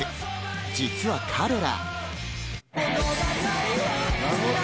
実は彼ら。